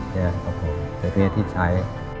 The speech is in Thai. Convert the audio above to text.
ใช่ครับผมเป็นพิเศษที่ใช้